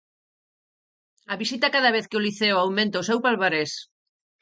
A visita cada vez que o Liceo aumenta o seu palmarés.